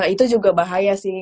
itu juga bahaya sih